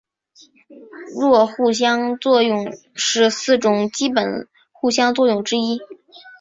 弱相互作用是四种基本相互作用之一。